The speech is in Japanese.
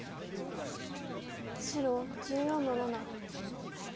白１４の七。